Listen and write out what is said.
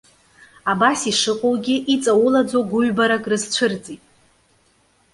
Абас ишыҟоугьы, иҵаулаӡоу гәыҩбарак рызцәырҵит.